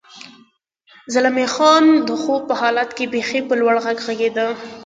زلمی خان: د خوب په حالت کې بېخي په لوړ غږ غږېدې.